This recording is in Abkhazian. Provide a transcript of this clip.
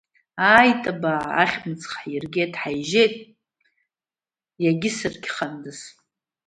Ааит, абаа, ахьымӡӷ ҳиргеит, ҳаижьеит, иаргьы саргьхандаз!